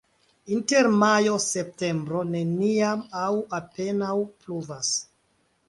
Inter majo-septembro neniam aŭ apenaŭ pluvas.